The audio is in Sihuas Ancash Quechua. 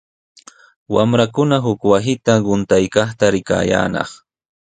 Wamrakuna huk wasita quntaykaqta rikayaanaq.